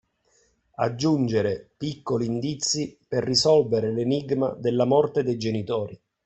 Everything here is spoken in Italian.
Aggiungere piccoli indizi per risolvere l’enigma della morte dei genitori.